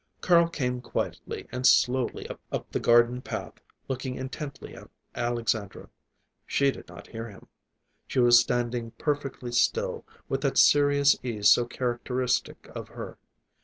Carl came quietly and slowly up the garden path, looking intently at Alexandra. She did not hear him. She was standing perfectly still, with that serious ease so characteristic of her.